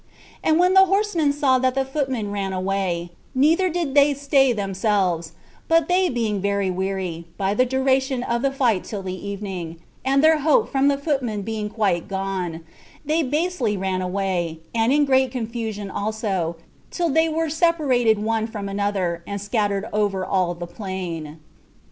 And when the horsemen saw that the footmen ran away, neither did they stay themselves, but they being very weary, by the duration of the fight till the evening, and their hope from the footmen being quite gone, they basely ran away, and in great confusion also, till they were separated one from another, and scattered over all the plain.